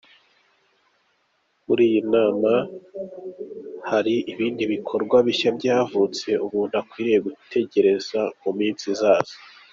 Muri iyi nama hari ibindi bikorwa bishya byavutse umuntu akwiye gutegereza mu minsi izaza.